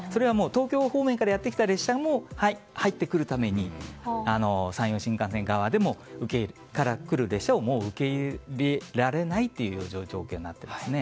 東京方面からやってきた列車も入ってくるために山陽新幹線側でも列車を受け入れられないという状況になりますね。